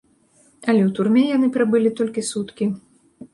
Але ў турме яны прабылі толькі суткі.